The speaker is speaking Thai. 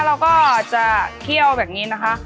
เราก็จะเคี่ยวแบบนี้นะคะ